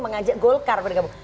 mengajak golkar pak dikabu